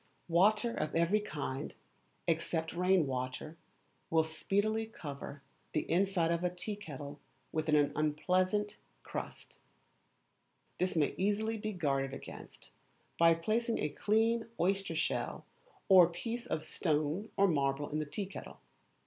Water of every kind, except rain water, will speedily cover the inside of a tea kettle with an unpleasant crust; this may easily be guarded against by placing a clean oyster shell or a piece of stone or marble in the tea kettle.